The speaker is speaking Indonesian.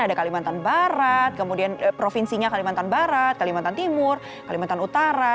ada kalimantan barat kemudian provinsinya kalimantan barat kalimantan timur kalimantan utara